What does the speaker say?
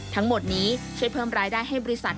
ทั้งหมดนี้ช่วยเพิ่มรายได้ให้บริษัท